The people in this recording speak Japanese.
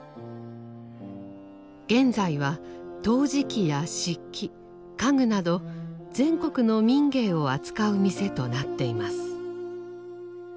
現在は陶磁器や漆器家具など全国の民藝を扱う店となっています。